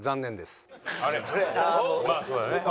まあそうだね。